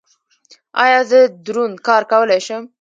ایا زه دروند کار کولی شم؟